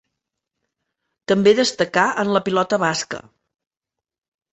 També destacà en la pilota basca.